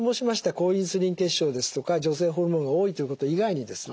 高インスリン血症ですとか女性ホルモンが多いということ以外にですね